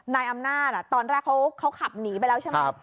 นายอำนาจตอนแรกเขาขับหนีไปแล้วใช่ไหม